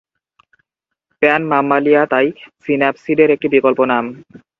প্যান-মাম্মালিয়া তাই সিন্যাপসিডের একটি বিকল্প নাম।